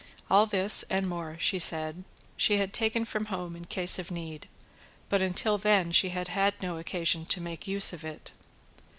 All this, and more, she said, she had taken from home in case of need, but that until then she had had no occasion to make use of it.